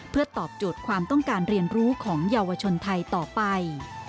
เพื่อตอบโจทย์ความต้องการเรียนรู้ของเยาวชนไทยต่อไป